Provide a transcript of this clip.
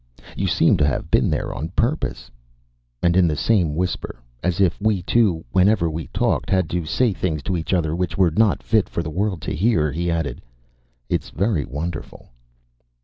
You seem to have been there on purpose." And in the same whisper, as if we two whenever we talked had to say things to each other which were not fit for the world to hear, he added, "It's very wonderful."